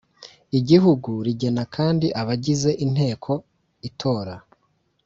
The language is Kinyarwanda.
igihugu rigena kandi abagize inteko itora